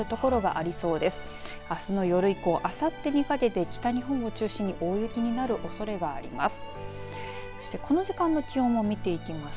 あすの夜以降あさってにかけて北日本を中心に大雪になるおそれがあります。